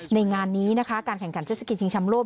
งานนี้นะคะการแข่งขันเจ็ดสกิตชิงชำโลก